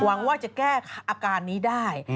หวังว่าจะแก้อาการนี้ได้